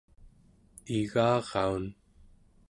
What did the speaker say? igaraun